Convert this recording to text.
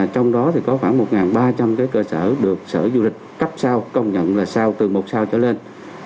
trong đó thì có khoảng một ba trăm linh cơ sở được sở du lịch cấp sao công nhận là sao từ một sao trở lên